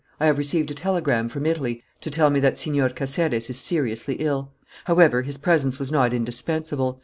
I have received a telegram from Italy to tell me that Señor Caceres is seriously ill. However, his presence was not indispensable.